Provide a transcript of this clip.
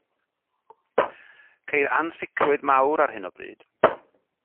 Ceir ansicrwydd mawr ar hyn o bryd.